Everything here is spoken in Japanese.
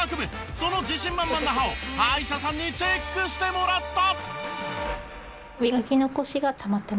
その自信満々な歯を歯医者さんにチェックしてもらった。